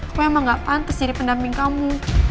aku emang gak pantas jadi pendamping kamu